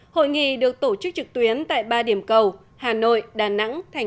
hội nghị được tổ chức trực tuyến tại ba điểm cầu hà nội đà nẵng tp hcm